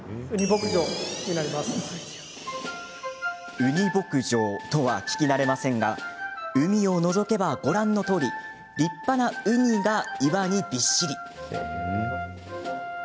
うに牧場とは聞き慣れませんが海をのぞけば、ご覧のとおり立派なウニが岩にびっしり。